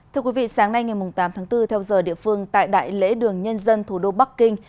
thưa quý vị sáng nay ngày tám tháng bốn theo giờ địa phương tại đại lễ đường nhân dân thủ đô bắc kinh